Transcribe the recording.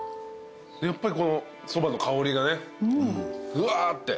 やっぱりこのそばの香りがブワーッて。